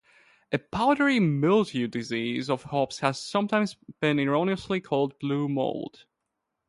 A powdery mildew disease of hops has sometimes been erroneously called blue mold.